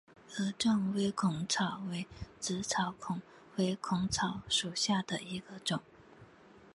萼状微孔草为紫草科微孔草属下的一个种。